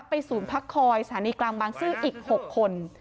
ศูนย์พักคอยสถานีกลางบางซื่ออีก๖คน